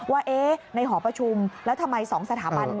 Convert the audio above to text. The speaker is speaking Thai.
ว่าในหอประชุมแล้วทำไม๒สถาบัน